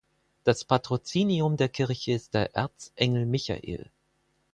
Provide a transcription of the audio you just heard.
Das Patrozinium der Kirche ist der Erzengel Michael.